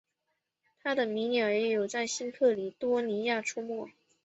它们的迷鸟也有在新喀里多尼亚出没。